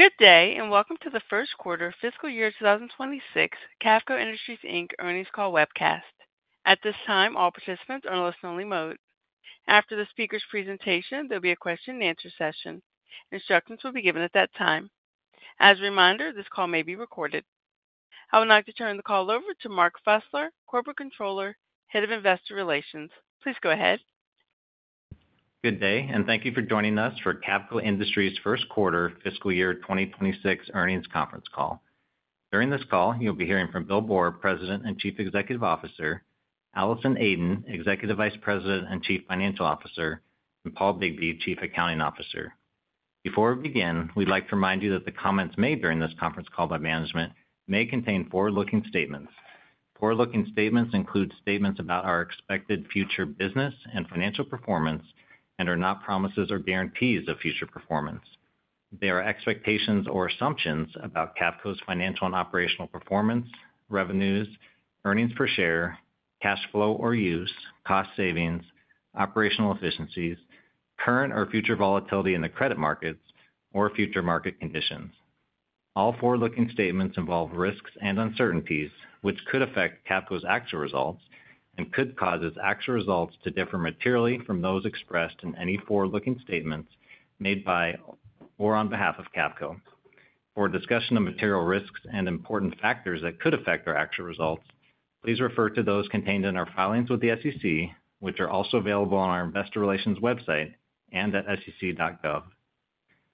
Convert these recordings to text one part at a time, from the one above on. Good day and welcome to the First Quarter Fiscal year 2026 Cavco Industries, Inc. Earnings Call Webcast. At this time all participants are in listen only mode. After the speaker's presentation there will be a question and answer session. Instructions will be given at that time. As a reminder, this call may be recorded. I would like to turn the call over to Mark Fusler, Corporate Controller, Head of Investor Relations. Please go ahead. Good day and thank you for joining us for Cavco Industries first quarter fiscal year 2026 earnings conference call. During this call you'll be hearing from Bill Boor, President and Chief Executive Officer, Allison Aden, Executive Vice President and Chief Financial Officer, and Paul Bigbee, Chief Accounting Officer. Before we begin, we'd like to remind you that the comments made during this conference call by management may contain forward-looking statements. Forward-looking statements include statements about our expected future business and financial performance and are not promises or guarantees of future performance. They are expectations or assumptions about Cavco's financial and operational performance, revenues, earnings per share, cash flow or use, cost savings, operational efficiencies, current or future volatility in the credit markets, or future market conditions. All forward-looking statements involve risks and uncertainties which could affect Cavco's actual results and could cause its actual results to differ materially from those expressed in any forward-looking statements made by or on behalf of Cavco. For a discussion of material risks and important factors that could affect our actual results, please refer to those contained in our filings with the SEC, which are also available on our investor relations website and at sec.gov.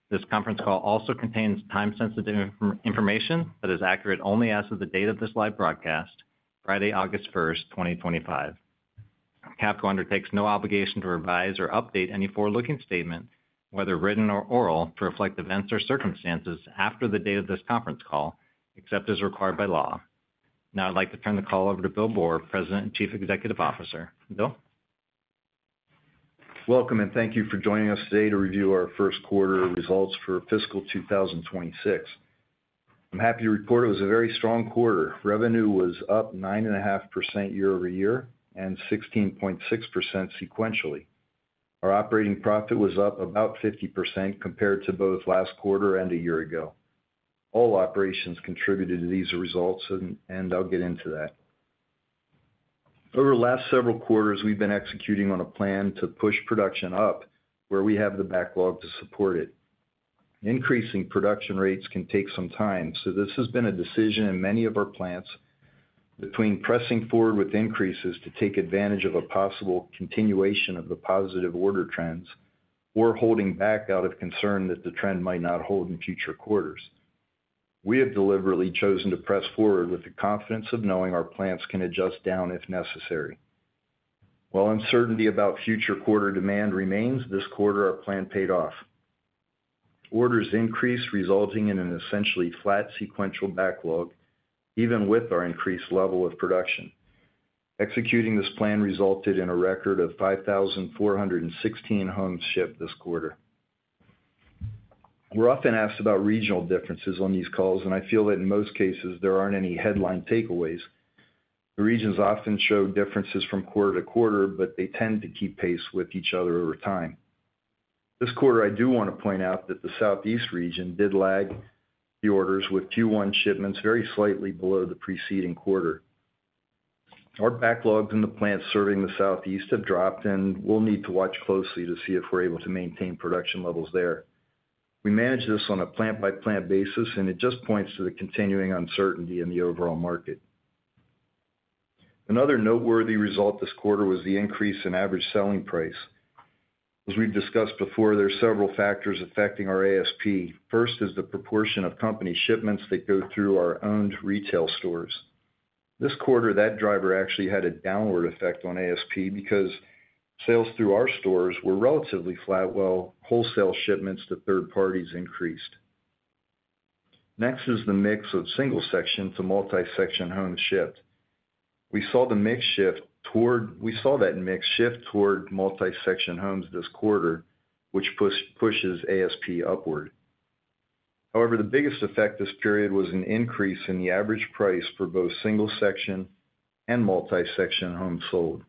This conference call also contains time-sensitive information that is accurate only as of the date of this live broadcast, Friday, August 1, 2025. Cavco undertakes no obligation to revise or update any forward-looking statement, whether written or oral, to reflect events or circumstances after the date of this conference call, except as required by law. Now I'd like to turn the call over to Bill Boor, President and Chief Executive Officer. Bill, welcome and thank you for joining us today to review our First Quarter Results for Fiscal 2026. I'm happy to report it was a very strong quarter. Revenue was up 9.5% year over year and 16.6% sequentially. Our operating profit was up about 50% compared to both last quarter and a year ago. All operations contributed to these results and I'll get into that. Over the last several quarters we've been executing on a plan to push production up where we have the backlog to support it. Increasing production rates can take some time, so this has been a decision in many of our plants between pressing forward with increases to take advantage of a possible continuation of the positive order trends or holding back out of concern tha t the trend might not hold in future quarters. We have deliberately chosen to press forward with the confidence of knowing our plants can adjust down if necessary while uncertainty about future quarter demand remains. This quarter our plan paid off. Orders increased resulting in an essentially flat sequential backlog. Even with our increased level of production, executing this plan resulted in a record of 5,416 homes shipped this quarter. We're often asked about regional differences on these calls, and I feel that in most cases there aren't any headline takeaways. The regions often show differences from quarter to quarter, but they tend to keep pace with each other over time. This quarter, I do want to point out that the Southeast region did lag the orders with Q1 shipments very slightly below the preceding quarter. Our backlogs in the plants serving the Southeast have dropped and we'll need to watch closely to see if we're able to maintain production levels there. We manage this on a plant by plant basis and it just points to the continuing uncertainty in the overall market. Another noteworthy result this quarter was the increase in average selling price. As we've discussed before, there are several factors affecting our ASP. First is the proportion of company shipments that go through our owned retail stores. This quarter that driver actually had a downward effect on ASP because sales through our stores were relatively flat while wholesale shipments to third parties increased. Next is the mix of single section to multi section homes shipped. We saw that mix shift toward multi section homes this quarter, which pushes ASP upward. However, the biggest effect this period was an increase in the average price for both single section and multi section homes sold.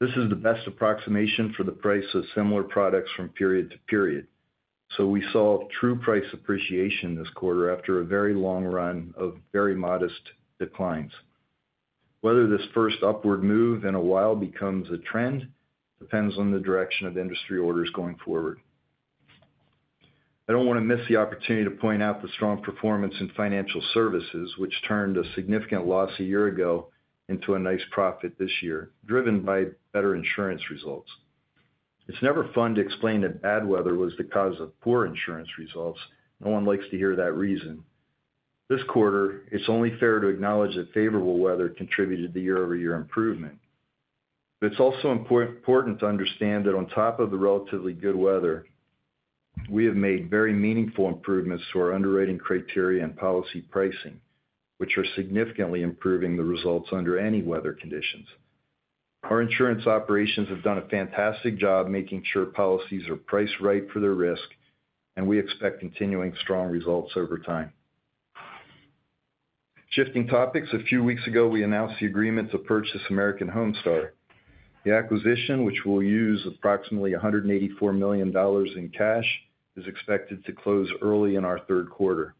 This is the best approximation for the price of similar products from period to period. We saw true price appreciation this quarter after a very long run of very modest declines. Whether this first upward move in a while becomes a trend depends on the direction of industry orders going forward. I don't want to miss the opportunity to point out the strong performance in financial services, which turned a significant loss a year ago into a nice profit this year, driven by better insurance results. It's never fun to explain that bad weather was the cause of poor insurance results. No one likes to hear that reason this quarter. It's only fair to acknowledge that favorable weather contributed to the year-over-year improvement. It's also important to understand that on top of the relatively good weather, we have made very meaningful improvements to our underwriting criteria and policy pricing, which are significantly improving the results under any weather conditions. Our insurance operations have done a fantastic job making sure policies are priced right for their risk, and we expect continuing strong results over time. Shifting topics, a few weeks ago we announced the agreement to purchase American Homestar. The acquisition, which will use approximately $184 million in cash, is expected to close early in our third quarter.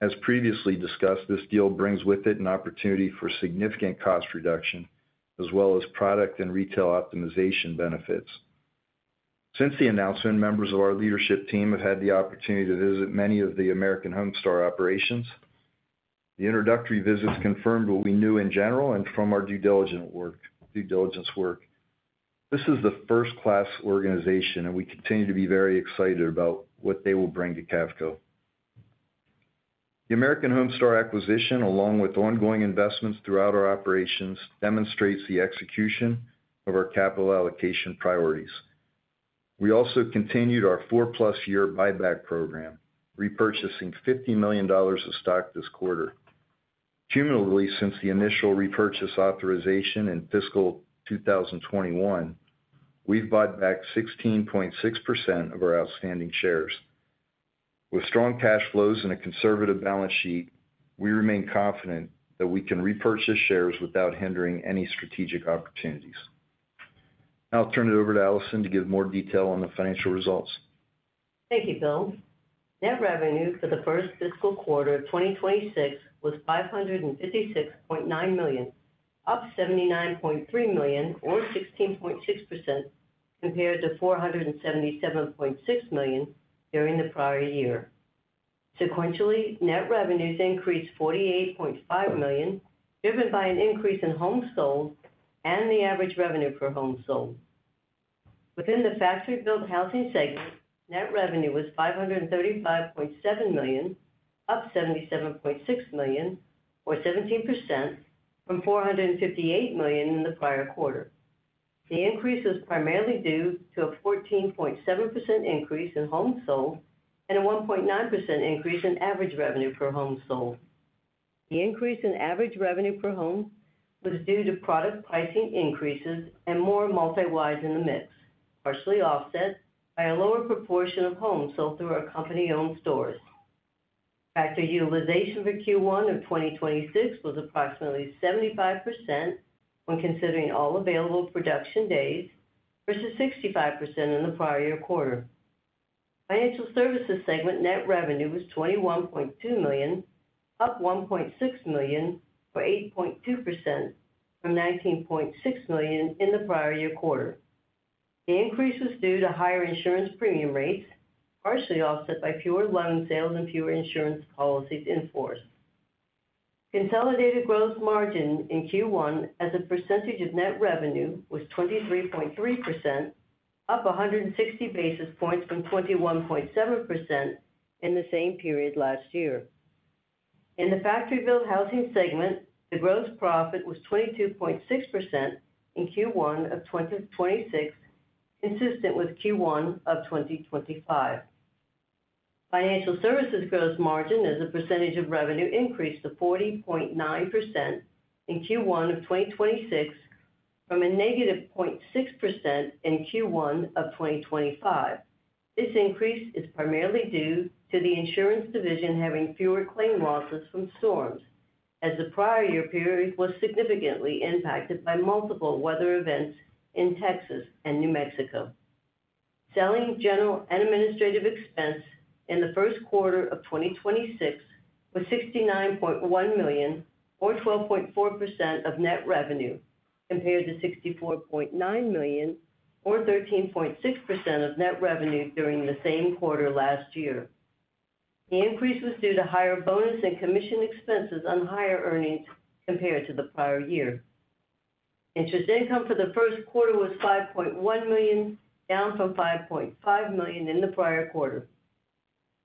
As previously discussed, this deal brings with it an opportunity for significant cost reduction as well as product and retail optimization benefits. Since the announcement, members of our leadership team have had the opportunity to visit many of the American Homestar operations. The introductory visits confirmed what we knew in general and from our due diligence work. This is a first class organization and we continue to be very excited about what they will bring to Cavco. The American Homestar acquisition, along with ongoing investments throughout our operations, demonstrates the execution of our capital allocation priorities. We also continued our four plus year buyback program, repurchasing $50 million of stock this quarter. Cumulatively, since the initial repurchase authorization in fiscal 2021, we've bought back 16.6% of our outstanding shares. With strong cash flows and a conservative balance sheet, we remain confident that we can repurchase shares without hindering any strategic opportunities. Now I'll turn it over to Allison to give more detail on the financial results. Thank you, Bill. Net revenue for the first fiscal quarter of 2026 was $556.9 million, up $79.3 million or 16.6%, compared to $477.6 million during the prior year. Sequentially, net revenues increased $48.5 million, driven by an increase in homes sold and the average revenue per home sold. Within the factory-built housing segment, net revenue was $535.7 million, up $77.6 million or 17% from $458 million in the prior quarter. The increase was primarily due to a 14.7% increase in homes sold and a 1.9% increase in average revenue per home sold. The increase in average revenue per home was due to product pricing increases and more multi-wides in the mix, partially offset by a lower proportion of homes sold through our company-owned stores. Factory utilization for Q1 of 2026 was approximately 75% when considering all available production days versus 65% in the prior year quarter. Financial Services segment net revenue was $21.2 million, up $1.6 million or 8.2% from $19.6 million in the prior year quarter. The increase was due to higher insurance premium rates, partially offset by fewer loan sales and fewer insurance policies in force. Consolidated gross margin in Q1 as a percentage of net revenue was 23.3%, up 160 basis points from 21.7% in the same period last year. In the factory-built housing segment, the gross profit was 22.6% in Q1 of 2026, consistent with Q1 of 2025. Financial Services gross margin as a percentage of revenue increased to 40.9% in Q1 of 2026 from a --0.6% in Q1 of 2025. This increase is primarily due to the insurance division having fewer claim losses from storms, as the prior year period was significantly impacted by multiple weather events in Texas and New Mexico. Selling, general, and administrative expense in the first quarter of 2026 was $69.1 million, or 12.4% of net revenue, compared to $64.9 million, or 13.6% of net revenue during the same quarter last year. The increase was due to higher bonus and commission expenses on higher earnings compared to the prior year. Interest income for the first quarter was $5.1 million, down from $5.5 million in the prior quarter.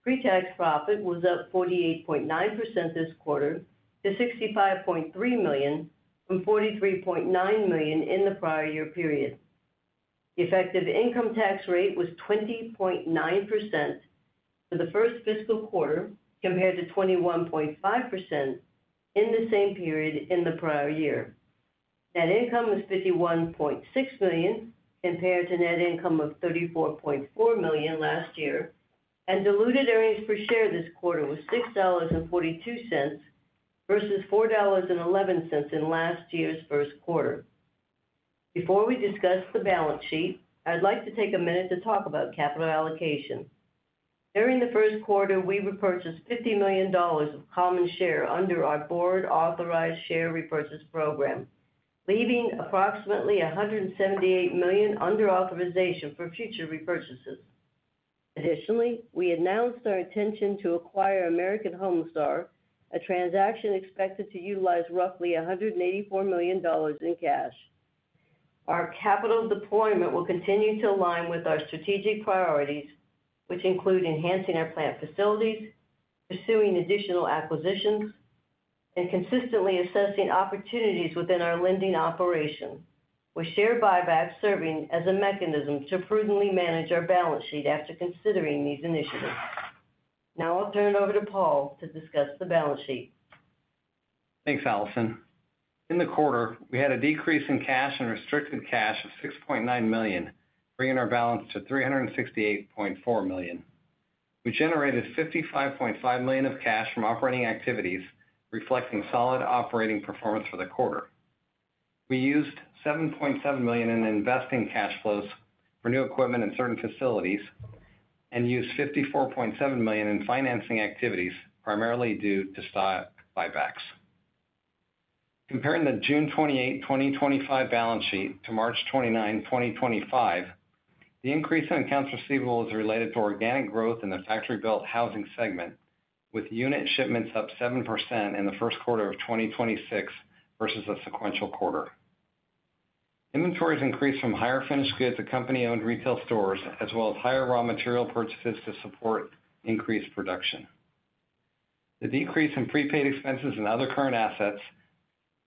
Pre-tax profit was up 48.9% this quarter to $65.3 million from $43.9 million in the prior year period. The effective income tax rate was 20.9% for the first fiscal quarter compared to 21.5% in the same period in the prior year. Net income was $51.6 million compared to net income of $34.4 million last year, and diluted earnings per share this quarter was $6.42 versus $4.11 in last year's first quarter. Before we discuss the balance sheet, I'd like to take a minute to talk about capital allocation. During the first quarter, we repurchased $50 million of common shares under our Board Authorized Share Repurchase Program, leaving approximately $178 million under authorization for future repurchases. Additionally, we announced our intention to acquire American Homestar, a transaction expected to utilize roughly $184 million in cash. Our capital deployment will continue to align with our strategic priorities, which include enhancing our plant facilities, pursuing additional acquisitions, and consistently assessing opportunities within our lending operation, with share buybacks serving as a mechanism to prudently manage our balance sheet. After considering these initiatives, now I'll turn it over to Paul to discuss the balance sheet. Thanks, Allison. In the quarter we had a decrease in cash and restricted cash of $6.9 million, bringing our balance to $368.4 million. We generated $55.5 million of cash from operating activities, reflecting solid operating performance for the quarter. We used $7.7 million in investing cash flows for new equipment in certain facilities and used $54.7 million in financing activities, primarily due to stock buybacks. Comparing the June 28, 2025 balance sheet to March 29, 2025, the increase in accounts receivable is related to organic growth in the factory-built housing segment with unit shipments up 7% in the first quarter of 2026 versus a sequential quarter. Inventories increased from higher finished goods at company-owned retail stores as well as higher raw material purchases to support increased production. The decrease in prepaid expenses and other current assets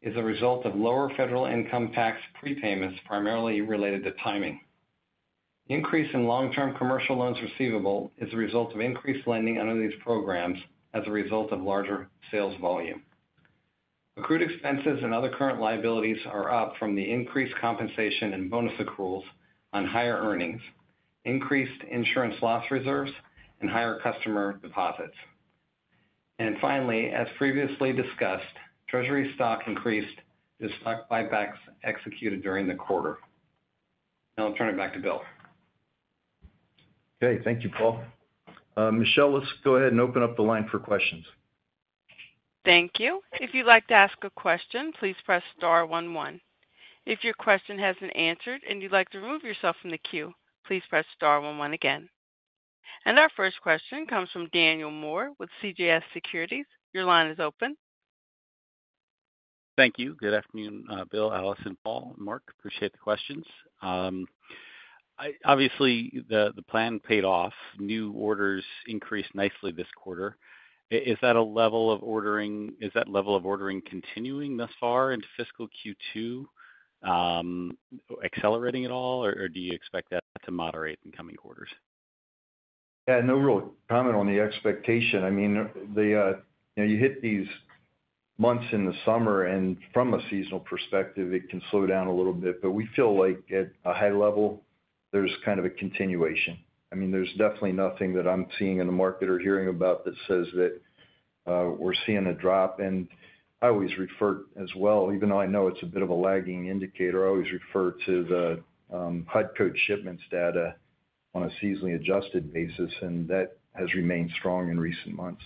is a result of lower federal income tax prepayments, primarily related to timing. Increase in long-term commercial loans receivable is a result of increased lending under these programs as a result of larger sales volume. Accrued expenses and other current liabilities are up from the increased compensation and bonus accruals on higher earnings, increased insurance loss reserves, and higher customer deposits. Finally, as previously discussed, treasury stock increased as stock buybacks executed during the quarter. Now I'll turn it back to Bill. Okay, thank you, Paul. Michelle, let's go ahead and open up the line for questions. Thank you. If you'd like to ask a question, please press starbone one. If your question hasn't been answered and you'd like to remove yourself from the queue, please press star one one again. Our first question comes from Daniel Moore with CJS Securities. Your line is open. Thank you. Good afternoon, Bill, Allison, Paul and Mark. Appreciate the questions. Obviously the plan paid off. New orders increased nicely this quarter. Is that a level of ordering? Is that level of ordering continuing thus far into fiscal Q2, accelerating at all, or do you expect that to moderate in coming orders? No real comment on the expectation. I mean you hit these months in the summer and from a seasonal perspective it can slow down a little bit, but we feel like at least high level there's kind of a continuation. There's definitely nothing that I'm seeing in the market or hearing about that says that we're seeing a drop. I always refer as well, even though I know it's a bit of a lagging indicator. I always refer to the HUD code shipments data on a seasonally adjusted basis, and that has remained strong in recent months.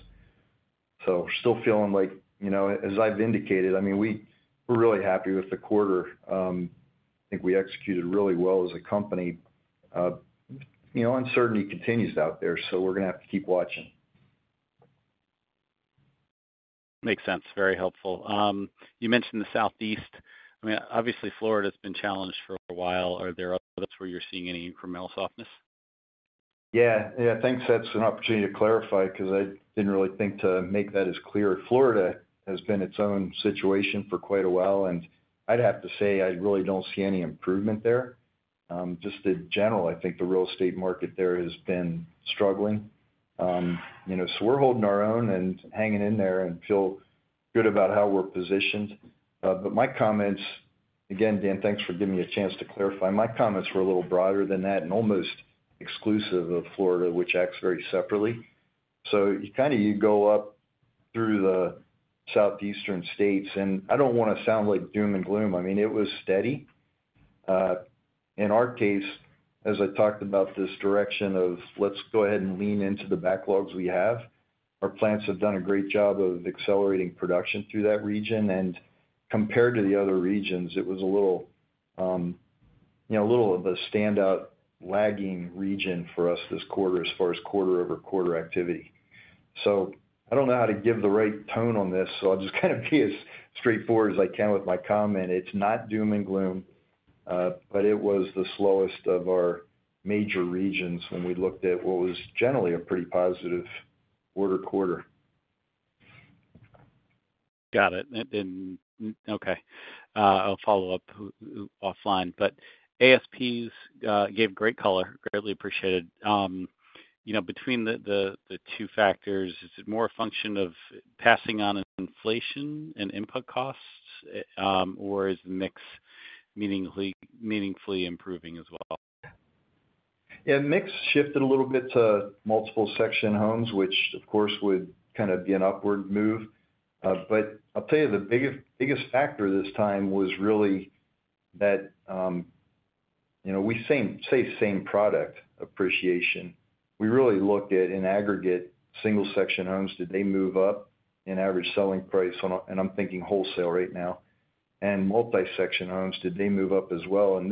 Still feeling like, you know, as I've indicated, I mean we, we're really happy with the quarter. I think we executed really well as a company. Uncertainty continues out there. We're going to have to keep watching. Makes sense. Very helpful. You mentioned the Southeast. Obviously, Florida has been challenged for a while. Are there other places where you're seeing any incremental softness? Yeah, I think that's an opportunity to clarify because I didn't really think to make that as clear. Florida has been its own situation for quite a while, and I'd have to say I really don't see any improvement there. Just in general, I think the real estate market there has been struggling, so we're holding our own and hanging in there and feel good about how we're positioned. My comments again, Dan, thanks for giving me a chance to clarify. My comments were a little broader than that and almost exclusive of Florida, which acts very separately. You go up through the southeastern states, and I don't want to sound like doom and gloom. I mean it was steady in our case. As I talked about, this direction of let's go ahead and lean into the backlogs we have. Our plants have done a great job of accelerating production through that region, and compared to the other regions, it was. A little. A standout lagging region for us this quarter as far as quarter over quarter activity. I don't know how to give the right tone on this, so I'll just kind of be as straightforward as I can with my comment. It's not doom and gloom, but it was the slowest of our major regions when we looked at what was generally a pretty positive order quarter. Got it. Okay, I'll follow up offline. ASP gave great color. Greatly appreciated between the two factors. Is it more a function of passing on inflation and input costs, or is mix meaningfully improving as well? Mix shifted a little bit to multiple section homes, which of course would kind of be an upward move. I'll tell you the biggest factor this time was really that we see same product appreciation. We really looked at, in aggregate, single section homes, did they move up in average selling price, and I'm thinking wholesale right now, and multi section homes, did they move up as well?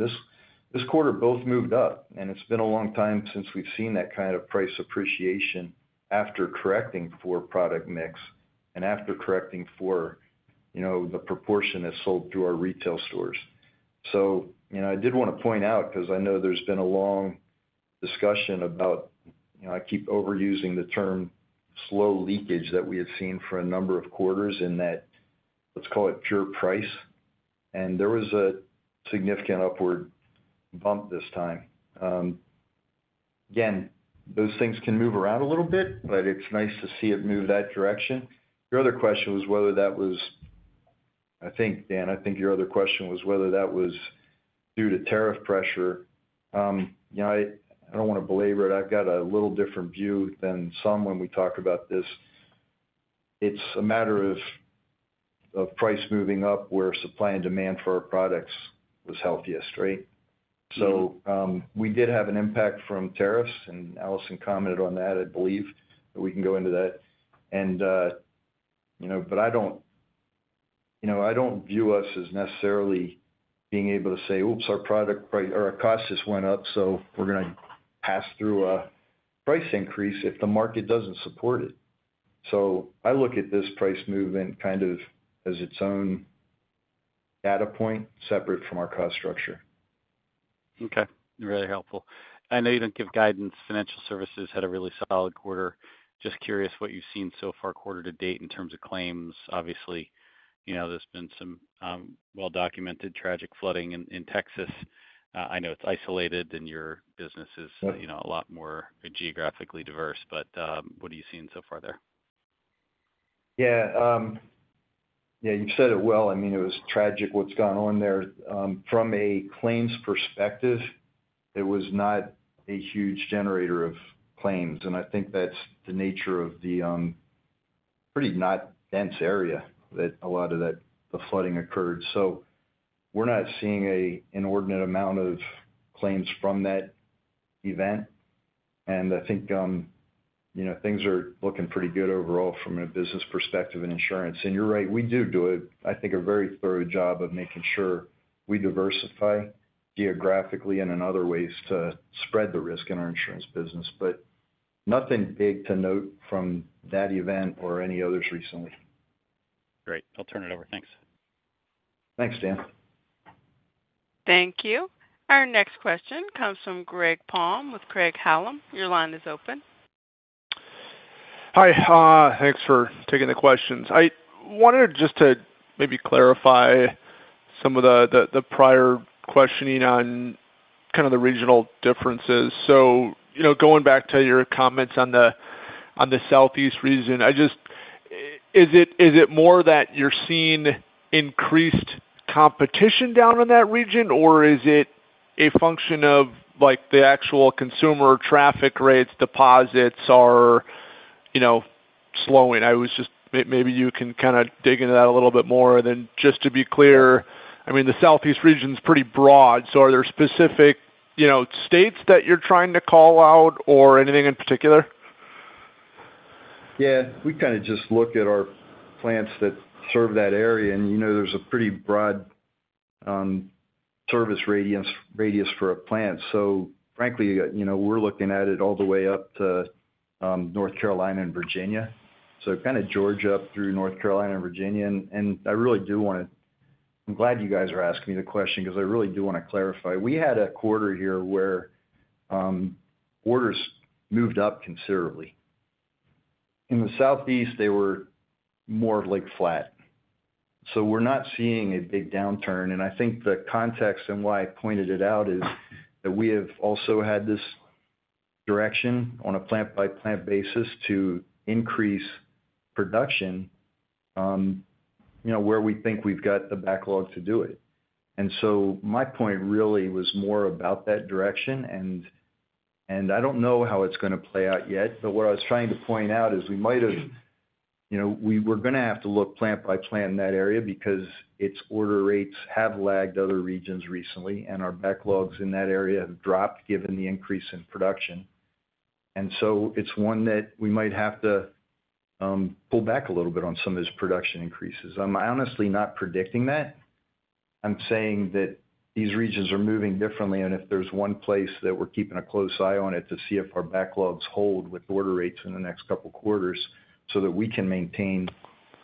This quarter both moved up, and it's been a long time since we've seen that kind of price appreciation after correcting for product mix and after correcting for the proportion that's sold through our retail stores. I did want to point out, because I know there's been a long discussion about, I keep overusing the term slow leakage, that we had seen for a number of quarters in that, let's call it pure price. There was a significant upward bump this time. Those things can move around a little bit, but it's nice to see it move that direction. Your other question was whether that was, I think, Dan, I think your other question was whether that was due to tariff pressure. I don't want to belabor it. I've got a little different view than some when we talk about this. It's a matter of price moving up where supply and demand for our products was healthiest. Right. We did have an impact from tariffs, and Allison commented on that. I believe we can go into that. I don't view us as necessarily being able to say, oops, our product or our cost just went up, so we're going to pass through a price increase if the market doesn't support it. I look at this price movement kind of as its own data point separate from our cost structure. Okay, very helpful. I know you don't give guidance. Financial services had a really solid quarter. Just curious what you've seen so far quarter to date in terms of claims. Obviously, you know, there's been some well-documented tragic flooding in Texas. I know it's isolated and your business is, you know, a lot more geographically diverse, but what are you seeing so far? Yeah, you've said it. It was tragic what's gone on there from a claims perspective. It was not a huge generator of claims. I think that's the nature of the pretty not dense area that a lot of the flooding occurred. We're not seeing an inordinate amount of claims from that event. I think things are looking pretty good overall from a business perspective in insurance. You're right, we do do, I think, a very thorough job of making sure we diversify geographically and in other ways to spread the risk in our insurance business. Nothing big to note from that event or any others recently. Great. I'll turn it over. Thanks. Thanks, Dan. Thank you. Our next question comes from Greg Palm with Craig-Hallum. Your line is open. Hi. Thanks for taking the questions. I wanted just to maybe clarify some of the prior questioning on kind of the regional differences. Going back to your comments on the Southeast region, is it more that you're seeing increased competition down in that region, or is it a function of the actual consumer traffic rates? Deposits are slowing. Maybe you can kind of dig into that a little bit more, just to be clear. I mean, the Southeast region is pretty broad. Are there specific states that you're trying to call out or anything in particular? Yeah, we kind of just look at our plants that serve that area, and there's a pretty broad service radius for a plant. Frankly, we're looking at it all the way up to North Carolina and Virginia, so kind of Georgia up through North Carolina and Virginia. I really do want to clarify. We had a quarter here where orders moved up considerably. In the Southeast, they were more like flat. We're not seeing a big downturn. I think the context and why I pointed it out is that we have also had this direction on a plant-by-plant basis to increase production where we think we've got the backlog to do it. My point really was more about that direction. I don't know how it's going to play out yet. What I was trying to point out is we might have to look plant by plant in that area because its order rates have lagged other regions recently, and our backlogs in that area have dropped given the increase in production. It's one that we might have to pull back a little bit on some of those production increases. I'm honestly not predicting that, saying that these regions are moving differently. If there's one place that we're keeping a close eye on to see if our backlogs hold with order rates in the next couple quarters so that we can maintain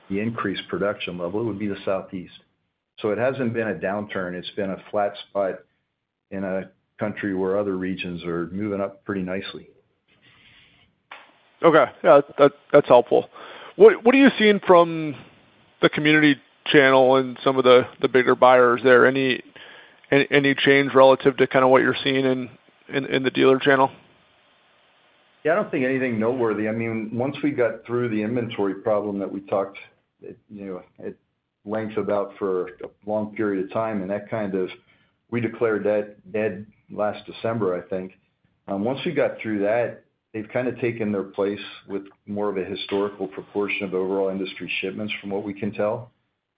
the increased production level, it would be the Southeast. It hasn't been a downturn. It's been a flat spot in a country where other regions are moving up pretty nicely. Okay, yeah, that's helpful. What are you seeing from the Community Channel and some of the bigger buyers there? Any change relative to kind of what you're seeing in the dealer channel? Yeah, I don't think anything noteworthy. I mean, once we got through the inventory problem that we talked about for a long period of time, and that kind of, we declared that dead last December. I think once we got through that, they've kind of taken their place with more of a historical proportion of overall industry shipments. From what we can tell,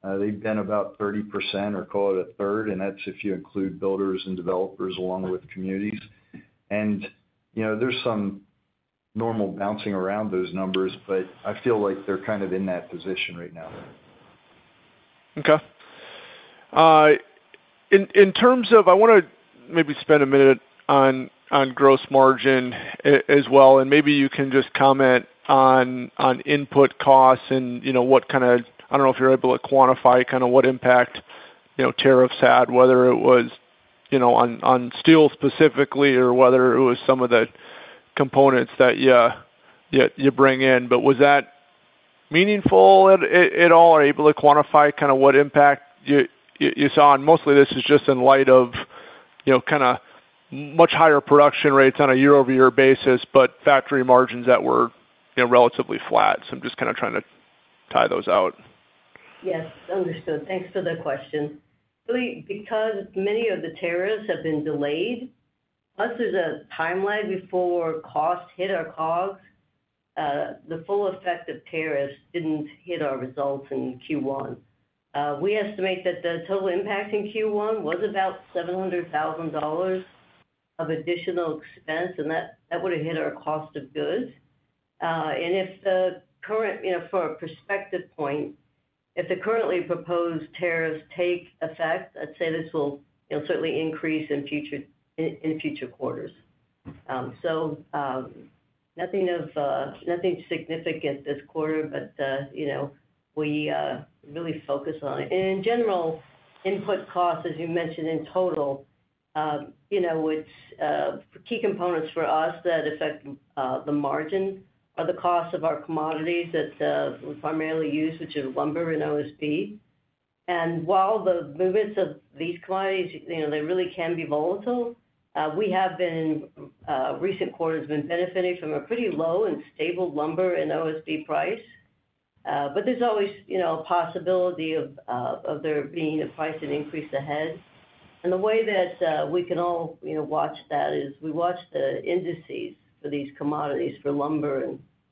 they've been about 30% or call it a third. That's if you include builders and developers along with communities. There's some normal bouncing around those numbers, but I feel like they're kind of in that position right now. Okay. In terms of gross margin as well, maybe you can just comment on input costs and what kind of, I don't know if you're able to quantify what impact tariffs had, whether it was on steel specifically or whether it was some of the components that you bring in. Was that meaningful at all or able to quantify what impact you saw? Mostly this is just in light of much higher production rates on a year- over-year basis, but factory margins that were relatively flat. I'm just trying to tie those out. Yes, understood. Thanks for the question. Because many of the tariffs have been delayed, plus there's a time lag before costs hit our COGS, the full effect of tariffs didn't hit our results in Q1. We estimate that the total impact in Q1 was about $700,000 of additional expense and that would have hit our cost of goods. If the currently proposed tariffs take effect, I'd say this will certainly increase in future quarters. So. Nothing significant this quarter, but you know, we really focus on in general input costs, as you mentioned. In total, you know, key components for us that affect the margin are the cost of our commodities that we primarily use, which are lumber and OSB. While the movements of these commodities, you know, they really can be volatile, we have in recent quarters been benefiting from a pretty low and stable lumber and OSB price. There's always a possibility of there being a price increase ahead. The way that we can all watch that is we watch the indices for these commodities for lumber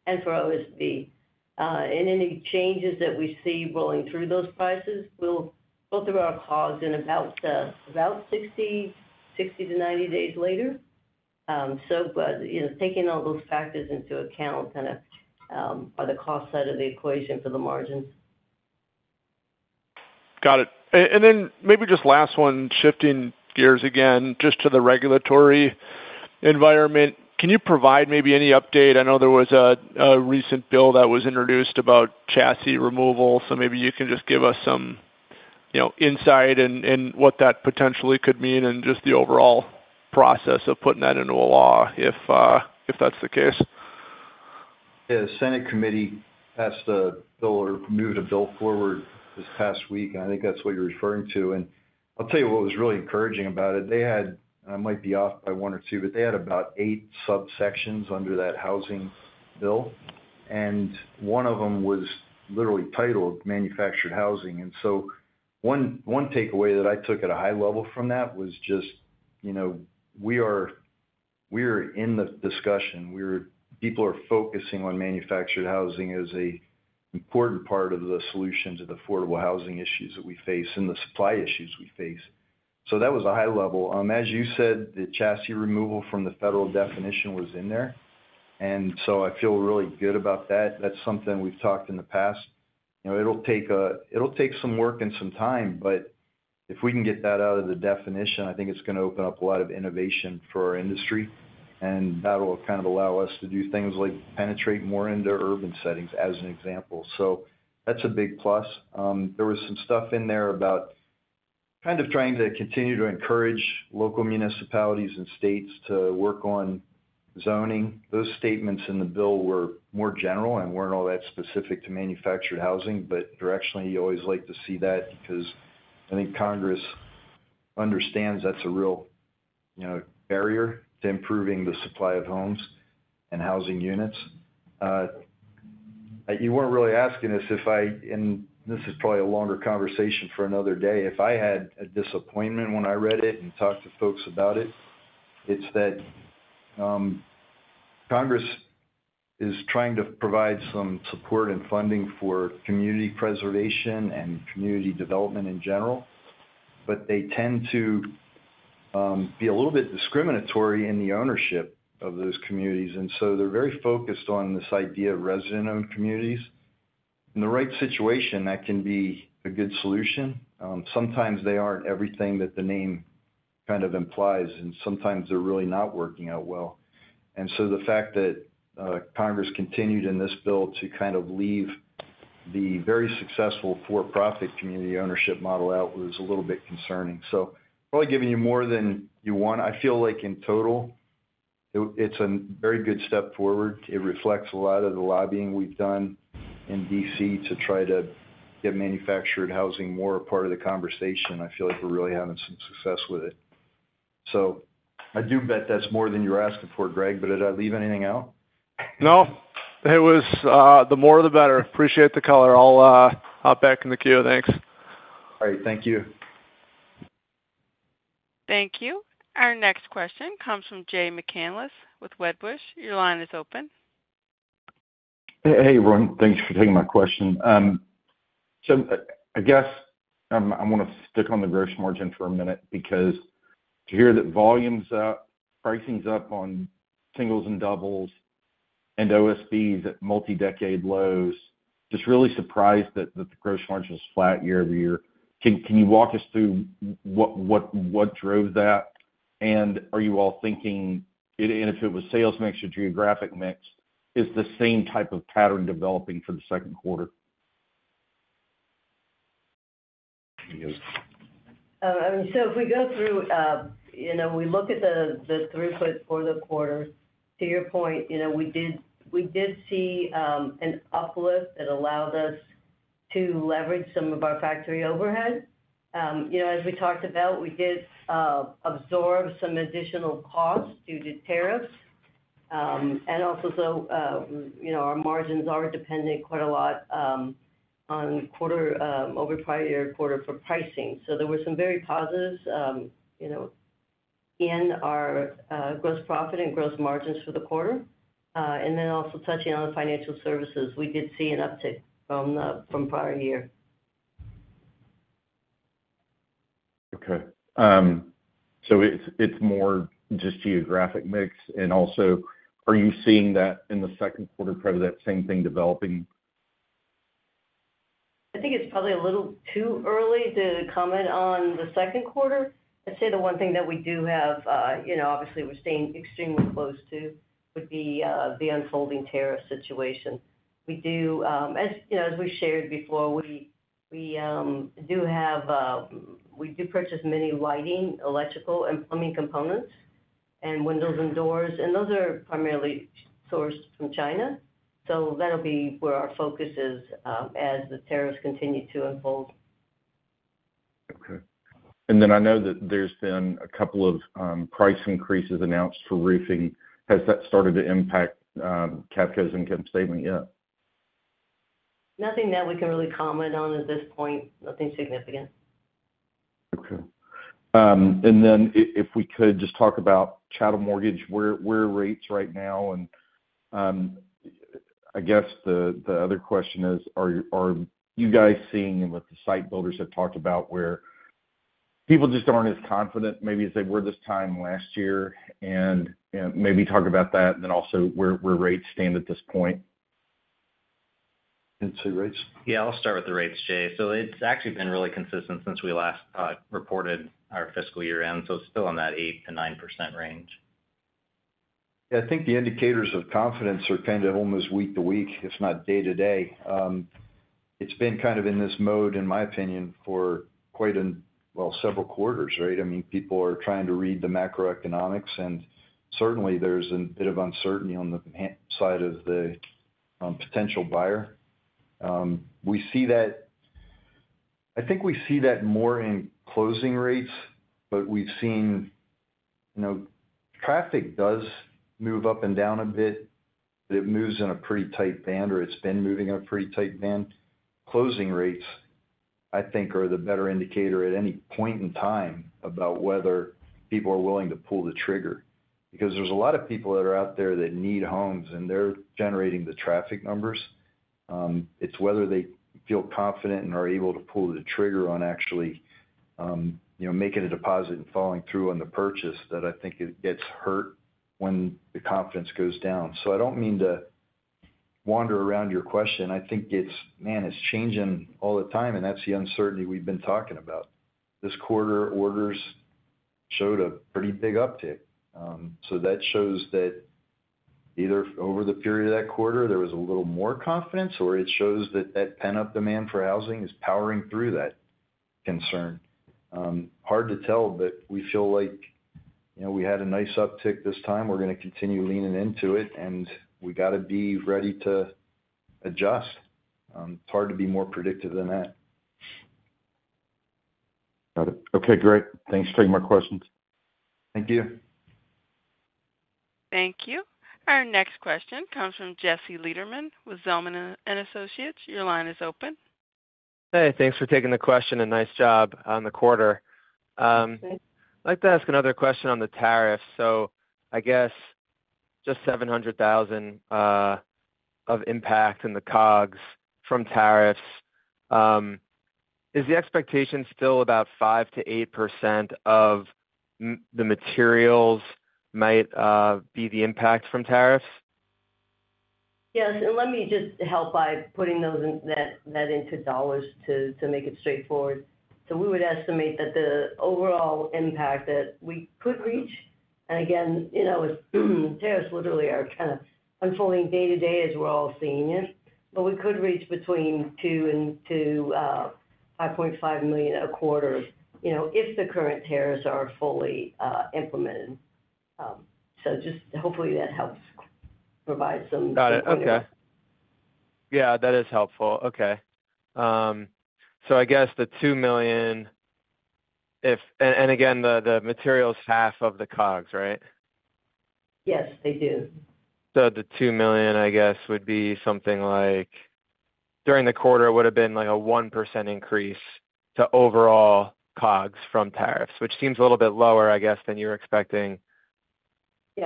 and for OSB, and any changes that we see rolling through those prices will go through our COGS in about 60 - 90 days later. Taking all those factors into account and by the cost side of the equation for the margin. Got it. Maybe just last one, shifting gears again just to the regulatory environment. Can you provide maybe any update? I know there was a recent bill that was introduced about chassis removal, so maybe you can just give us some insight in what that potentially could mean and just the overall process of putting that into a law, if that's the case. The Senate committee passed a bill or moved a bill forward this past week, and I think that's what you're referring to. I'll tell you what was really encouraging about it. They had, I might be off by one or two, but they had about eight subsections under that housing bill and one of them was literally titled Manufactured housing. One takeaway that I took at a high level from that was just, you know, we are, we're in the discussion. People are focusing on manufactured housing as an important part of the solution to the affordable housing issues that we face and the supply issues we face. That was a high level. As you said, the chassis removal from the federal definition was in there. I feel really good about that. That's something we've talked in the past. It'll take some work and some time, but if we can get that out of the definition, I think it's going to open up a lot of innovation for our industry and that will kind of allow us to do things like penetrate more into urban settings as an example. That's a big plus. There was some stuff in there about kind of trying to continue to encourage local municipalities and states to work on zoning. Those statements in the bill were more general and weren't all that specific to manufactured housing. Directionally, you always like to see that because I think Congress understands that's a real barrier to improving the supply of homes and housing units. You weren't really asking us if I. This is probably a longer conversation for another day. If I had a disappointment when I read it and talked to folks about it, it's that Congress is trying to provide some support and funding for community preservation and community development in general, but they tend to be a little bit discriminatory in the ownership of those communities. They're very focused on this idea of resident owned communities. In the right situation, that can be a good solution. Sometimes they aren't everything that the name kind of implies, and sometimes they're really not working out well. The fact that Congress continued in this bill to kind of leave the very successful for profit community ownership model out was a little bit concerning. Probably giving you more than you want. I feel like in total, it's a very good step forward. It reflects a lot of the lobbying we've done in D.C. to try to get manufactured housing more part of the conversation. I feel like we're really having some success with it. I do bet that's more than you were asking for, Greg, but did I leave anything out? No, it was the more the better. Appreciate the color. I'll hop back in the queue. Thanks. All right, thank you. Thank you. Our next question comes from Jay McCanless with Wedbush. Your line is open. Hey, everyone, thanks for taking my question. I guess I want to stick on the gross margin for a minute because to hear that volume's up, pricing's up on singles and doubles, and OSB's at multi-decade lows. Just really surprised that the gross margin was flat year over year. Can you walk us through what drove that, and are you all thinking if it was sales mix or geographic mix, is the same type of pattern developing for the second quarter? If we go through, you know, we look at the throughput for the quarter, to your point, we did see an uplift that allowed us to leverage some of our factory overhead. As we talked about, we did absorb some additional costs due to tariffs. Also, our margins are dependent quite a lot on quarter over prior year quarter for pricing. There were some very positives in our gross profit and gross margins for the quarter. Also, touching on the financial services, we did see an uptick from prior year. Okay, so it's more just geographic mix. Also, are you seeing that in the second quarter credit, that same thing developing? I think it's probably a little too early to comment on the second quarter. I'd say the one thing that we do have, obviously we're staying extremely close to, would be the unfolding tariff situation. We do, as we shared before, purchase many lighting, electrical and plumbing components and windows and doors, and those are primarily sourced from China. That'll be where our focus is as the tariffs continue to unfold. Okay. I know that there's been a couple of price increases announced for roofing. Has that started to impact Cavco's income statement yet? Nothing that we can really comment on at this point. Nothing significant. Okay. If we could just talk about chattel mortgage, where rates are right now. I guess the other question is, are you guys seeing what the site builders have talked about, where people just aren't as confident maybe as they were this time last year? Maybe talk about that and also where rates stand at this point. Say rates. Yeah, I'll start with the rates, Jay. It's actually been really consistent since we last reported our fiscal year end. Still in that 8% - 9% range. I think the indicators of confidence are kind of almost week to week, if not day to day. It's been kind of in this mode, in my opinion, for quite, well, several quarters. Right. I mean, people are trying to read the macroeconomics and certainly there's a bit of uncertainty on the side of the potential buyer. We see that. I think we see that more in closing rates, but we've seen traffic does move up and down a bit. It moves in a pretty tight band or it's been moving in a pretty tight band. Closing rates I think are the better indicator at any point in time about whether people are willing to pull the trigger because there's a lot of people that are out there that need homes and they're generating the traffic numbers. It's whether they feel confident and are able to pull the trigger on actually making a deposit and following through on the purchase that I think it gets hurt when the confidence goes down. I don't mean to wander around your question. I think it's, man, it's changing all the time and that's the uncertainty we've been talking about this quarter. Orders showed a pretty big uptick. That shows that either over the period of that quarter there was a little more confidence or it shows that that pent up demand for housing is powering through that concern. Hard to tell, but we feel like we had a nice uptick this time. We're going to continue leaning into it and we got to be ready to adjust. It's hard to be more predictive than that. Got it. Okay, great. Thanks for taking my questions. Thank you. Thank you. Our next question comes from Jesse Lederman with Zelman & Associates. Your line is open. Hey, thanks for taking the question and nice job on the quarter. I'd like to ask another question on the tariffs. Is just $700,000 of impact in the COGS from tariffs the expectation? Still about 5% - 8% of the materials might be the impact from tariffs? Yes. Let me just help by putting that into dollars to make it straightforward. We would estimate that the overall impact that we could reach, and again, you know, tariffs literally are kind of unfolding day to day as we're all seeing it, but we could reach between $2 million and $5.5 million a quarter if the current tariffs are fully implemented. Hopefully that helps provide some. Got it. Okay. Yeah, that is helpful. Okay, so I guess the $2 million and again the material is half of the COGS, right? Yes, they do. The $2 million, I guess, would be something like during the quarter would have been like a 1% increase to overall COGS from tariffs, which seems a little bit lower, I guess, than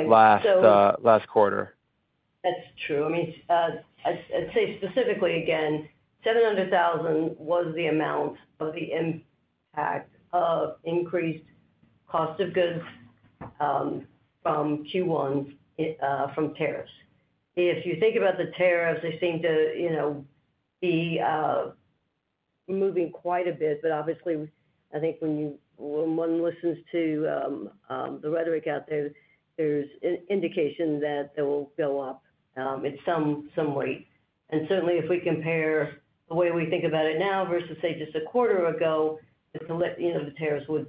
you were expecting last quarter. That's true. I mean, I'd say specifically again, $700,000 was the amount of the impact of increased cost of goods from Q1 from tariffs. If you think about the tariffs, they seem to, you know, be moving quite a bit. Obviously, I think when one listens to the rhetoric out there, there's an indication that they will go up at some rate. Certainly, if we compare the way we think about it now versus, say, just a quarter ago, the tariffs would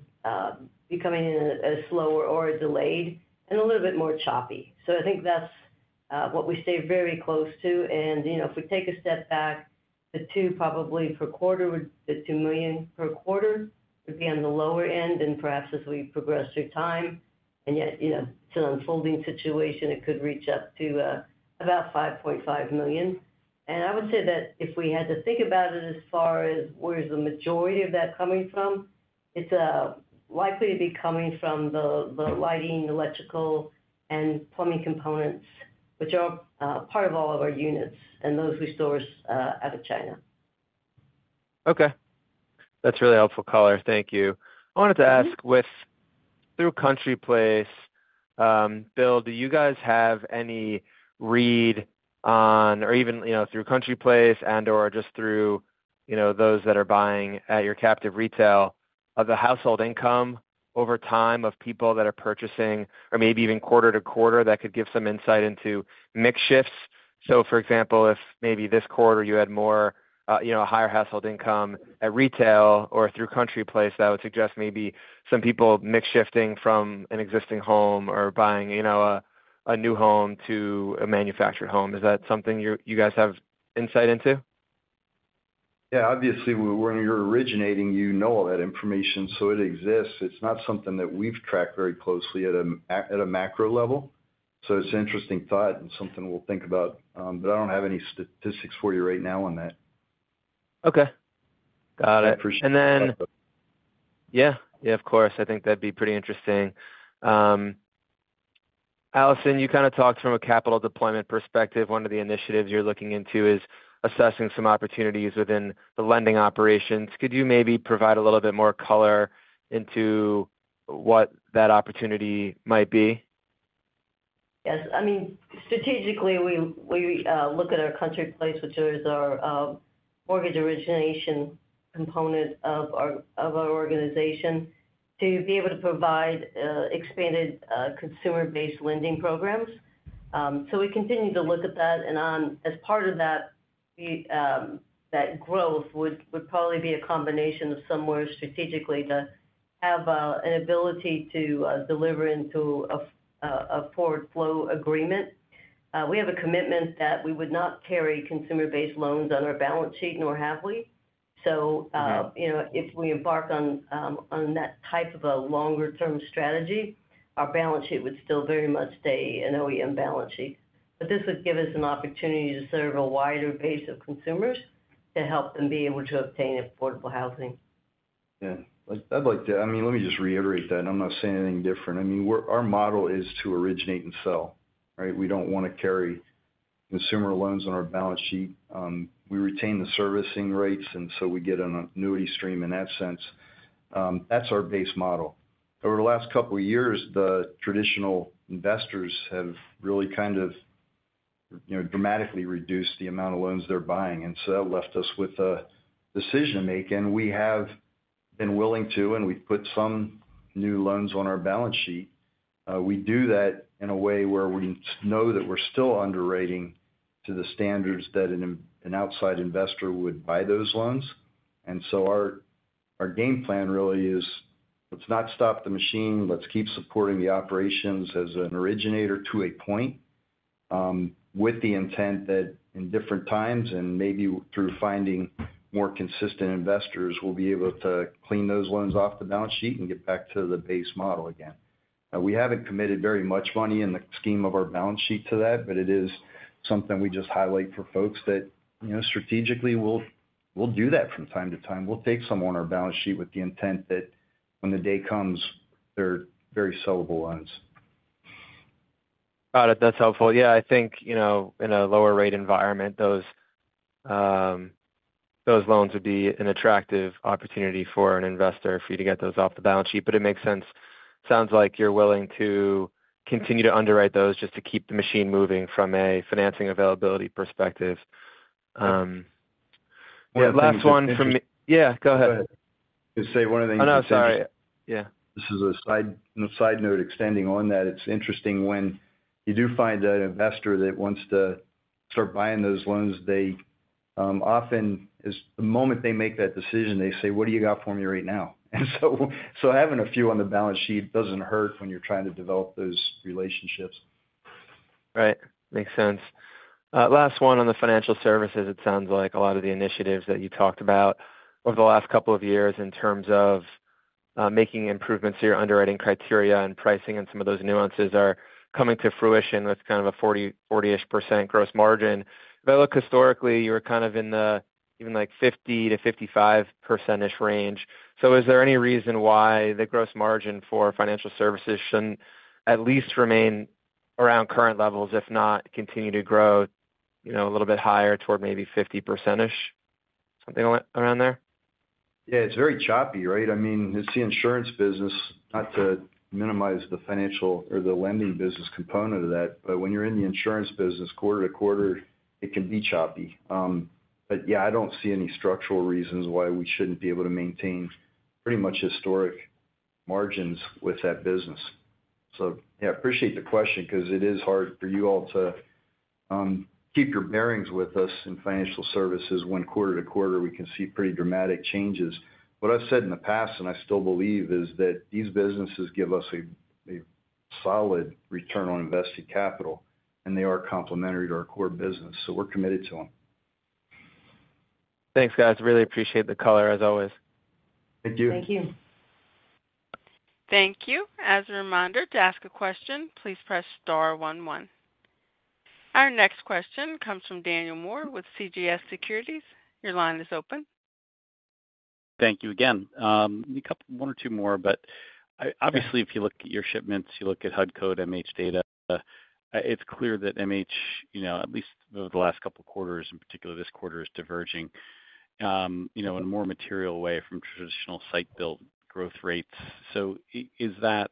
be coming in slower or delayed and a little bit more choppy. I think that's what we stay very close to. If we take a step back, the two probably per quarter, the $2 million per quarter would be on the lower end and perhaps as we progress through time, and yet, you know, it's an unfolding situation, it could reach up to about $5.5 million. I would say that if we had to think about it as far as where is the majority of that coming from, it's likely to be coming from the lighting, electrical, and plumbing components which are part of all of our units and those we source out of China. Okay, that's really helpful. Thank you. I wanted to ask, through Country Place, Bill, do you guys have any read on, or even through Country Place and just through those that are buying at your captive retail, of the household income over time of people that are purchasing, or maybe even quarter to quarter, that could give some insight into mix shifts? For example, if maybe this quarter you had more higher household income at retail or through Country Place, that would suggest maybe some people mix shifting from an existing home or buying a new home to a manufactured home. Is that something you guys have insight into? Obviously, when you're originating, you know all that information, so it exists. It's not something that we've tracked very closely at a macro level. It's an interesting thought and something we'll think about, but I don't have any statistics for you right now on that. Okay, got it. Yeah, of course. I think that'd be pretty interesting. Allison, you kind of talked from a capital deployment perspective. One of the initiatives you're looking into is assessing some opportunities within the lending operations. Could you maybe provide a little bit more color into what that opportunity might be? Yes. I mean, strategically, we look at our Country Place, which is our mortgage origination component of our organization, to be able to provide expanded consumer-based lending programs. We continue to look at that, and as part of that, that growth would probably be a combination of somewhere strategically to have an ability to deliver into a forward flow agreement. We have a commitment that we would not carry consumer-based loans on our balance sheet, nor have we. If we embark on that type of a longer-term strategy, our balance sheet would still very much stay an OEM balance sheet. This would give us an opportunity to serve a wider base of consumers to help them be able to obtain affordable housing. I'd like to, I mean, let me just reiterate that I'm not saying anything different. I mean, our model is to originate and sell. Right. We don't want to carry consumer loans on our balance sheet. We retain the servicing rates, and so we get an annuity stream in that sense. That's our base model. Over the last couple years, the traditional investors have really kind of dramatically reduced the amount of loans they're buying. That left us with a decision to make. We have been willing to, and we put some new loans on our balance sheet. We do that in a way where we know that we're still underwriting to the standards that an outside investor would buy those loans. Our game plan really is not to stop the machine. Let's keep supporting the operations as an originator to a point with the intent that in different times, and maybe through finding more consistent investors, we'll be able to clean those loans off the balance sheet and get back to the base model again. We haven't committed very much money in the scheme of our balance sheet to that, but it is something we just highlight for folks that strategically we'll do that from time to time. We'll take some on our balance sheet with the intent that when the day comes, they're very sellable loans. Got it. That's helpful. Yeah, I think in a lower rate environment, those loans would be an attractive opportunity for an investor for you to get those off the balance sheet. It makes sense. Sounds like you're willing to continue to underwrite those just to keep the machine moving from a financing availability perspective. Last one from—yeah, go ahead. One of the things, this is a side note extending on that, it's interesting when you do find an investor that wants to start buying those loans. They often, the moment they make that decision, say, what do you got for me right now? Having a few on the balance sheet doesn't hurt when you're trying to develop those relationships. Right. Makes sense. Last one. On the financial services, it sounds like a lot of the initiatives that you talked about over the last couple of years in terms of making improvements to your underwriting criteria and pricing, and some of those nuances are coming to fruition with kind of a 40% gross margin. If I look historically, you were kind of in the even like 50 - 55% range. Is there any reason why the gross margin for financial services shouldn't at least remain around current levels, if not continue to grow a little bit higher toward maybe 50%, something around there. Yeah, it's very choppy, right? I mean it's the insurance business, not to minimize the financial or the lending business component of that, but when you're in the insurance business, quarter to quarter it can be choppy. I don't see any structural reasons why we shouldn't be able to maintain pretty much historic margins with that business. I appreciate the question because it is hard for you all to keep your bearings with us in financial services when quarter to quarter we can see pretty dramatic changes. What I've said in the past and I still believe is that these businesses give us a solid return on invested capital and they are complementary to our core business. We're committed to them. Thanks, guys. Really appreciate the color as always. Thank you. Thank you. Thank you. As a reminder, to ask a question, please press star one one. Our next question comes from Daniel Moore with CJS Securities. Your line is open. Thank you. One or two more. Obviously, if you look at your shipments, you look at HUD code MHData, it's clear that MH, at least over the last couple quarters, in particular this quarter, is diverging in a more material way from traditional site built growth rates. Is that,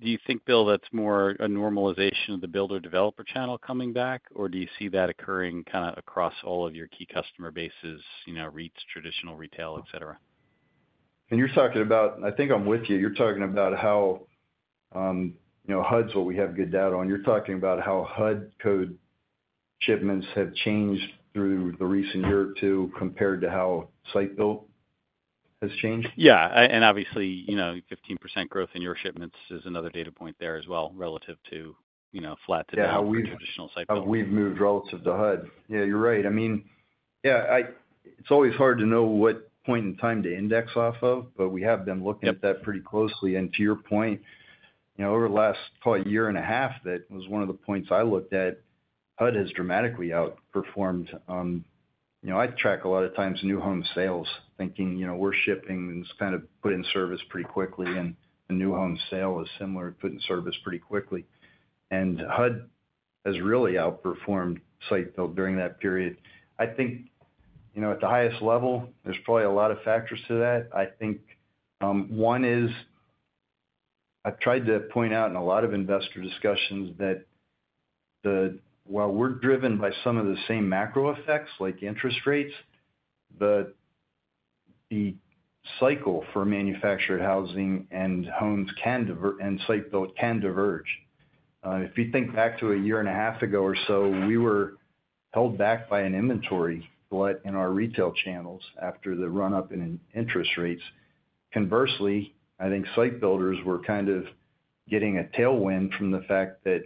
do you think, Bill, more a normalization of the builder developer channel coming back, or do you see that occurring kind of across all of your key customer bases, you know, REITs, traditional retail, et cetera? I think I'm with you. You're talking about how, you know, HUD's what we have good data on. You're talking about how HUD code shipments have changed through the recent year or two compared to how site built has changed. Yeah. Obviously, you know, 15% growth in your shipments is another data point there as well relative to, you know, flat to down traditional site build. How we've moved relative to HUD. Yeah, you're right. I mean, it's always hard to know what point in time to index off of, but we have been looking at that pretty closely. To your point, over the last year and a half that was one of the points I looked at. HUD has dramatically outperformed. I track a lot of times new home sales thinking we're shipping and it's kind of put in service pretty quickly. A new home sale is similar, put in service pretty quickly. HUD has really outperformed site built during that period. I think at the highest level, there's probably a lot of factors to that. One is, I've tried to point out in a lot of investor discussions that while we're driven by some of the same macro effects like interest rates, the cycle for manufactured housing and homes and site built can diverge. If you think back to a year and a half ago or so, we were held back by an inventory in our retail channels after the run up in interest rates. Conversely, I think site builders were kind of getting a tailwind from the fact that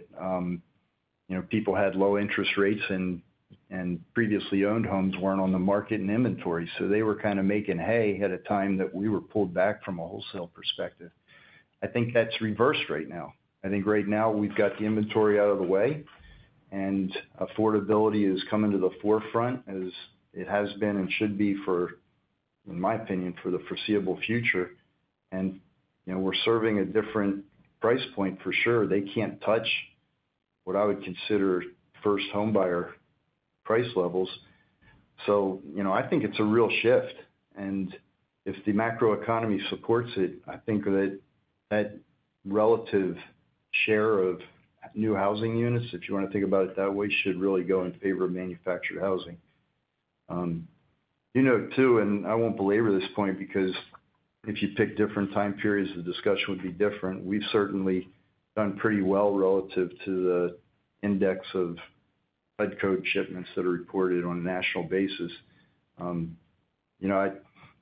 people had low interest rates and previously owned homes weren't on the market in inventory. They were kind of making hay at a time that we were pulled back. From a wholesale perspective, I think that's reversed right now. Right now we've got the inventory out of the way and affordability is coming to the forefront, as it has been and should be, in my opinion, for the foreseeable future. We're serving a different price point for sure. They can't touch what I would consider first homebuyer price levels. I think it's a real shift. If the macro economy supports it, I think that relative share of new housing units, if you want to think about it that way, should really go in favor of manufactured housing too. I won't belabor this point because if you pick different time periods, the discussion would be different. We've certainly done pretty well relative to the index of HUD code shipments that are reported on a national basis.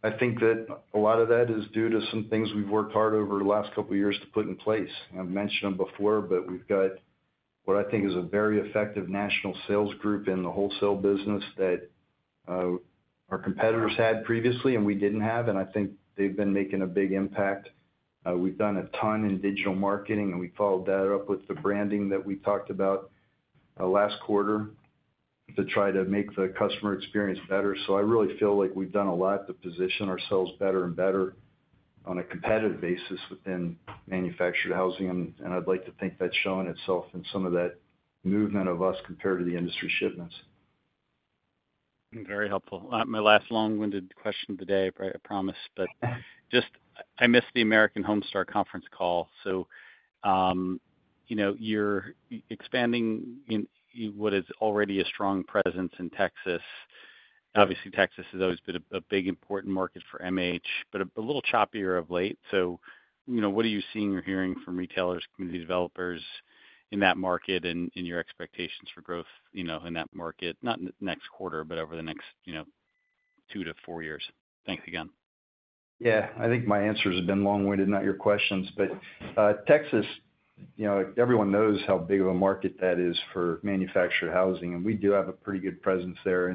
I think that a lot of that is due to some things we've worked hard over the last couple years to put in place. I've mentioned them before, but we've got what I think is a very effective national sales group in the wholesale business that our competitors had previously and we didn't have. I think they've been making a big impact. We've done a ton in digital marketing, and we followed that up with the branding that we talked about last quarter to try to make the customer experience better. I really feel like we've done a lot to position ourselves better and better on a competitive basis within manufactured housing. I'd like to think that's showing itself in some of that movement of us compared to the industry shipments. Very helpful. My last long-winded question of the day, I promise, but I missed the American Homestar conference call, so you're expanding what is already a strong presence in Texas. Obviously, Texas has always been a big important market for manufactured homes, but a little choppier of late. What are you seeing or hearing from retailers and community developers in that market and your expectations for growth in that market, not next quarter, but over the next two to four years. Thanks again. I think my answers have been long winded. Not your questions, but Texas, everyone knows how big of a market that is for manufactured housing and we do have a pretty good presence there.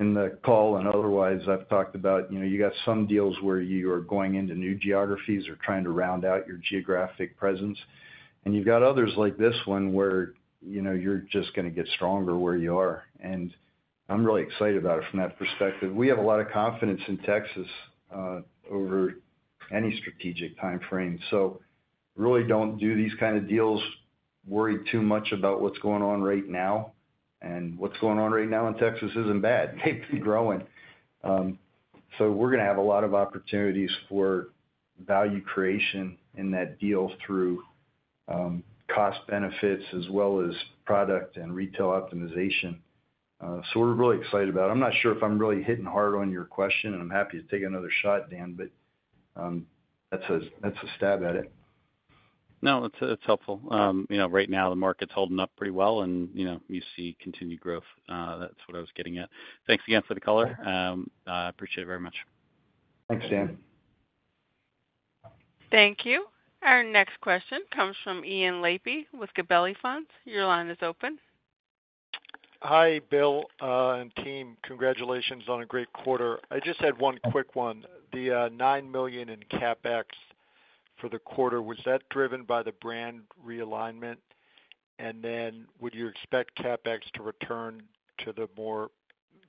In the call and otherwise, I've talked about, you know, you got some deals where you are going into new geographies or trying to round out your geographic presence and you've got others like this one where you know you're just going to get stronger where you are. I'm really excited about it from that perspective. We have a lot of confidence in Texas over any strategic time frame. Really don't do these kind of deals worry too much about what's going on right now. What's going on right now in Texas isn't bad. They've been growing. We're going to have a lot of opportunities for value creation in that deal through cost benefits as well as product and retail optimization. We're really excited about it. I'm not sure if I'm really hitting hard on your question and I'm happy to take another shot, Dan, but that's a stab at it. No, it's helpful right now. The market's holding up pretty well, and you see continued growth. That's what I was getting at. Thanks again for the color. I appreciate it very much. Thanks, Dan. Thank you. Our next question comes from Ian Lapey with Gabelli Funds. Your line is open. Hi, Bill and team. Congratulations on a great quarter. I just had one quick question. The $9 million in CapEx for the quarter, was that driven by the brand realignment? Would you expect CapEx to return to the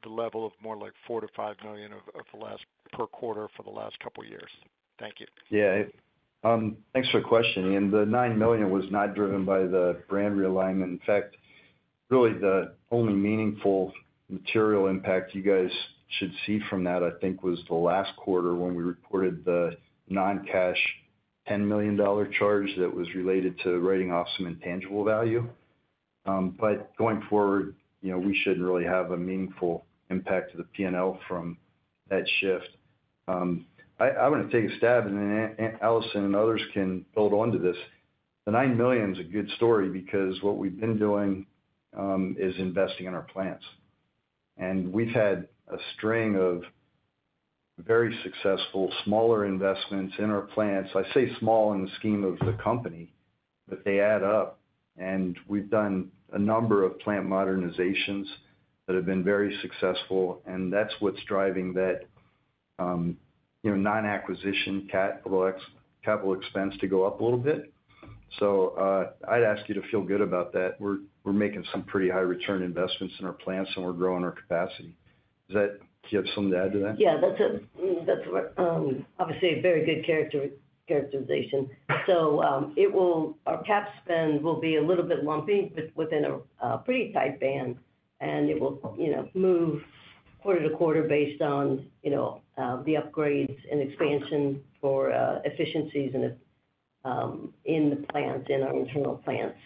level of more like $4 to $5 million per quarter for the last couple years? Thank you. Yeah, thanks for questioning. The $9 million was not driven by the brand realignment. In fact, really the only meaningful material impact you guys should see from that, I think, was the last quarter when we reported the non-cash $10 million charge. That was related to writing off some intangible value. Going forward, you know, we shouldn't really have a meaningful impact to the P&L from that shift. I want to take a stab and then Allison and others can build onto this. The $9 million is a good story because what we've been doing is investing in our plants and we've had a string of very successful smaller investments in our plants. I say small in the scheme of the company, but they add up. We've done a number of plant modernizations that have been very successful and that's what's driving that non-acquisition capital expense to go up a little bit. I'd ask you to feel good about that. We're making some pretty high return investments in our plants and we're growing our capacity. Do you have something to add to that? That's obviously a very good characterization. Our cap spend will be a little bit lumpy within a pretty tight band, and it will move quarter to quarter based on the upgrades and expansion for efficiencies in the plants, in our internal plants.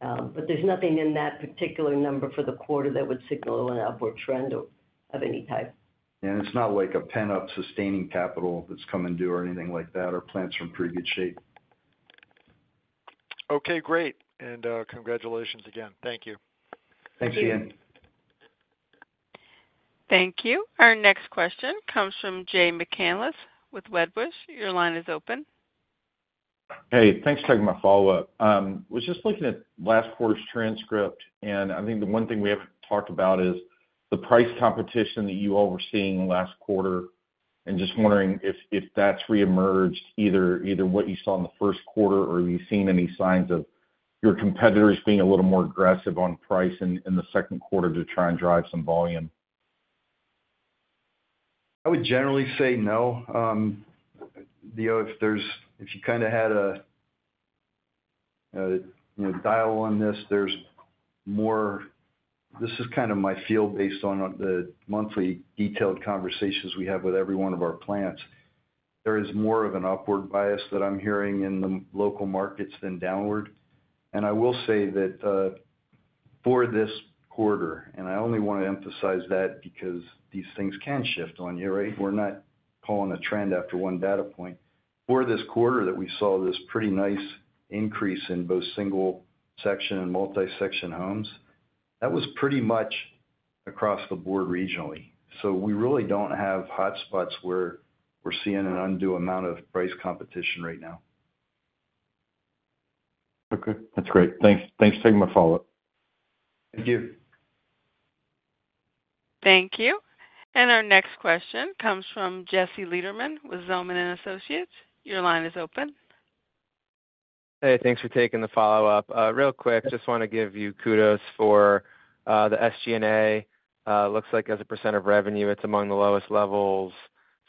There's nothing in that particular number for the quarter that would signal an upward trend of any type. It is not like a pent up sustaining capital that's coming due or anything like that. Our plants are in pretty good shape. Okay, great. Congratulations again. Thank you. Thanks Ian. Thank you. Our next question comes from Jay McCanless with Wedbush Securities. Your line is open. Hey, thanks for my follow up. Was just looking at last quarter's transcript and I think the one thing we haven't talked about is the price competition that you all were seeing last quarter and just wondering if that's reemerged, either what you saw in the first quarter or have you seen any signs of your competitors being a little more aggressive on price in the second quarter to try and drive some volume? I would generally say no. If you kind of had a dial on this, there's more. This is kind of my feel based on the monthly detailed conversations we have with every one of our plants. There is more of an upward bias that I'm hearing in the local markets than downward. I will say that for this quarter, and I only want to emphasize that because these things can shift on you. We're not pulling a trend after one data point. For this quarter, we saw this pretty nice increase in both single section and multi section homes that was pretty much across the board regionally. We really don't have hotspots where we're seeing an undue amount of price competition right now. Okay, that's great. Thanks for taking my follow up. Thank you. Thank you. Our next question comes from Jesse Lederman with Zelman & Associates. Your line is open. Hey, thanks for taking the follow up real quick. Just want to give you kudos for the SG&A. Looks like as a percent of revenue, it's among the lowest levels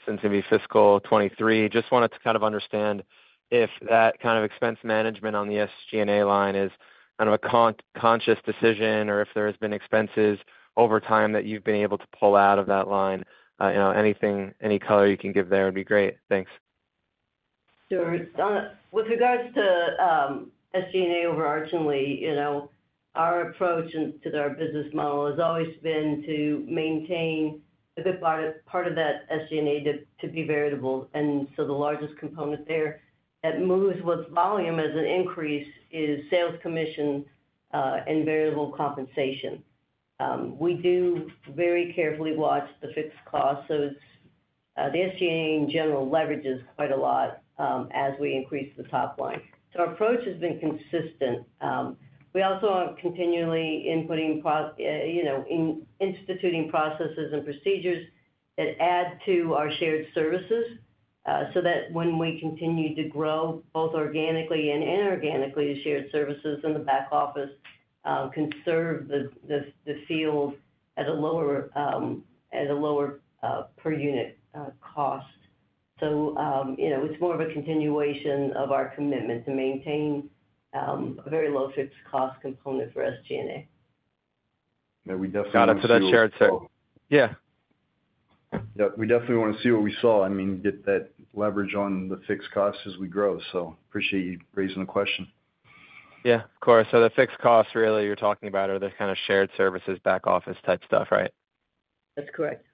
since it'd be fiscal 2023. Just wanted to kind of understand if that kind of expense management on the SG&A line is kind of a conscious decision or if there have been expenses over time that you've been able to pull out of that line. Any color you can give there would be great. Thanks. Sure. With regards to SG&A overarchingly, our approach to our business model has always been to maintain part of that SG&A to be variable. The largest component there that moves with volume as an increase is sales, commission, and variable compensation. We do very carefully watch the fixed costs. The SG&A in general leverages quite a lot as we increase the top line. Our approach has been consistent. We also are continually inputting, instituting processes and procedures that add to our shared services so that when we continue to grow both organically and inorganically, shared services in the back office can serve the field at a lower per unit cost. It's more of a continuation of our commitment to maintain a very low fixed cost component for SG&A. Got it. To that shared sale. Yeah. We definitely want to see what we saw. I mean, get that leverage on the fixed costs as we grow. Appreciate you raising the question. Yeah, of course. The fixed costs really you're talking about are the kind of shared services, back office type stuff, right? That's correct.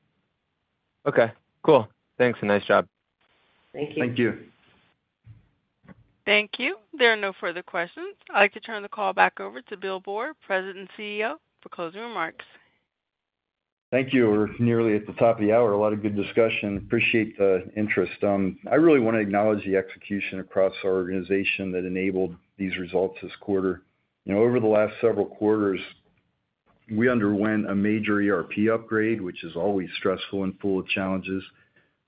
Okay, cool. Thanks. Nice job. Thank you. Thank you. Thank you. There are no further questions. I'd like to turn the call back over to Bill Boor, President and CEO, for closing remarks. Thank you. We're nearly at the top of the hour. A lot of good discussion. Appreciate the interest. I really want to acknowledge the execution across our organization that enabled these results this quarter. Over the last several quarters, we underwent a major ERP upgrade, which is always stressful and full of challenges.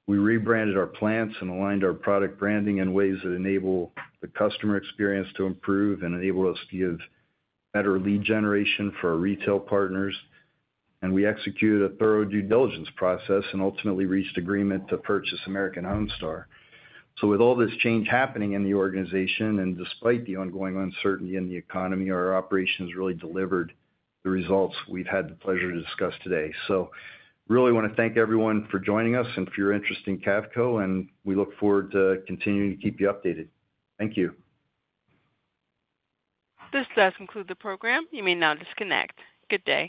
We rebranded our plants and aligned our product branding in ways that enable the customer experience to improve and enable us to give better lead generation for our retail partners. We executed a thorough due diligence process and ultimately reached agreement to purchase American Homestar. With all this change happening in the organization and despite the ongoing uncertainty in the economy, our operations really delivered the results we've had the pleasure to discuss today. I really want to thank everyone for joining us and for your interest in Cavco Industries. We look forward to continuing to keep you updated. Thank you. This does conclude the program. You may now disconnect. Good day.